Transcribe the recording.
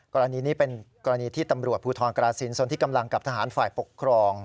กรณีนี้เป็นกรณีที่ตำรวจภูทรกราศิลปนที่กำลังกับทหารฝ่ายปกครอง